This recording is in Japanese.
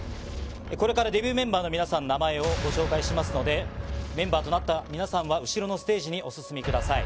これからデビューメンバーの皆さん、名前をご紹介しますので、メンバーとなった皆さんは後ろのステージにお進みください。